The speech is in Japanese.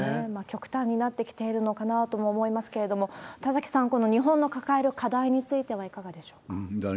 極端になってきてるのかなとも思いますけれども、田崎さん、この日本の抱える課題についてはいかがでしょうか。